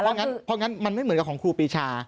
เพราะงั้นมันไม่เหมือนกับของครูปีชา